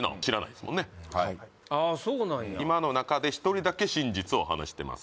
そうなんや今の中で１人だけ真実を話してます